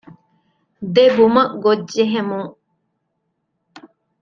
ދެބުމަގޮށް ޖެހެމުން